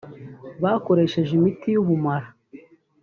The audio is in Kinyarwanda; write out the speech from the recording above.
bakoresheje imiti y’ubumara